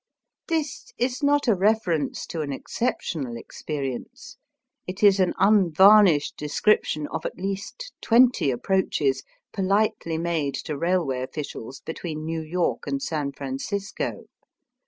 This is not a reference to an exceptional experience. It is an unvarnished description of at least twenty approaches poHtely made to railway officials between New York and San Francisco.